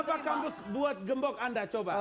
apa kampus buat gembok anda coba